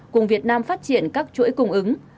cùng việt nam phát triển các chuỗi cung ứng